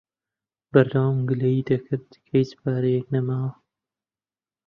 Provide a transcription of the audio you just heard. بەردەوام گلەیی دەکرد کە هیچ پارەیەک نەماوە.